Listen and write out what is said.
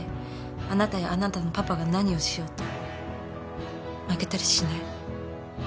あなたやあなたのパパが何をしようと負けたりしない。